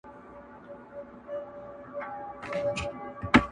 سترګي به ړندې د جهالت د جادوګرو کړي!.